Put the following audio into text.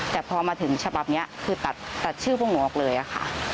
แต่พอมาถึงฉบับนี้คือตัดชื่อพวกหนูออกเลยค่ะ